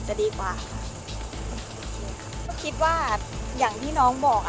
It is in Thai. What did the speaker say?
สวัสดีครับที่ได้รับความรักของคุณ